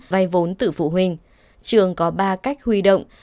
vay vốn từ phụ huynh trường có ba cách huy động